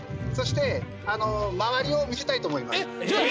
そして周りを見せたいと思います。